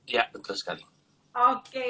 iya betul sekali oke